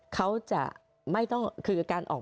เขาจะไม่ต้องคือการออก